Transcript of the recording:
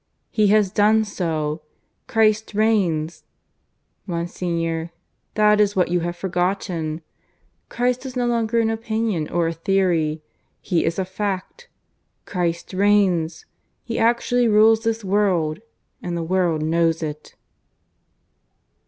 He has done so! Christ reigns! ... Monsignor, that is what you have forgotten! Christ is no longer an opinion or a theory. He is a Fact. Christ reigns! He actually rules this world. And the world knows it."